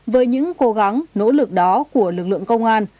với những cố gắng nỗ lực đó của lực lượng công an